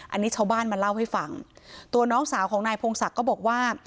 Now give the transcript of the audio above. อันนี้ชาวบ้านมาเล่าให้ฟังตัวน้องสาวของนายพงศักดิ์ก็บอกว่า